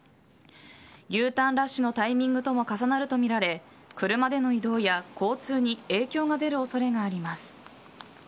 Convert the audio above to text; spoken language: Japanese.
Ｕターンラッシュのタイミングとも重なるとみられ車での移動や交通に影響が出る恐れがあります。